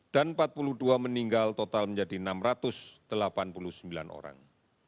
empat puluh dua meninggal total menjadi enam ratus delapan puluh sembilan orang